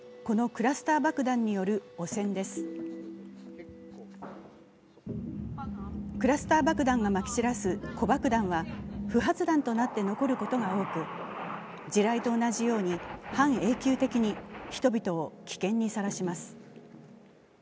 クラスター爆弾がまき散らす子爆弾は不発弾となって残ることが多く地雷と同じように半永久的に人々を危険にさらします。